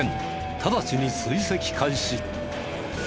ただちに追跡開始。